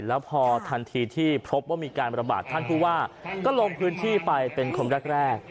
แล้วพอทันทีที่พบว่ามีการระบาดท่านผู้ว่าก็ลงพื้นที่ไปเป็นคนแรก